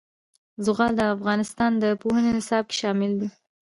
زغال د افغانستان د پوهنې نصاب کې شامل دي.